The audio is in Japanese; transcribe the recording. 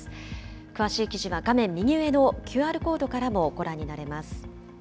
詳しい記事は画面右上のＱＲコードからもご覧になれます。